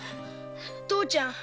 父ちゃん